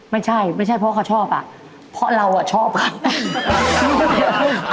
ไม่ใช่ไม่ใช่เพราะเขาชอบอ่ะเพราะเราอ่ะชอบเขา